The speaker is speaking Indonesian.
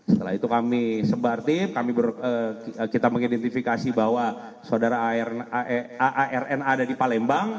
setelah itu kami sebartif kita mengidentifikasi bahwa saudara arn ada di palembang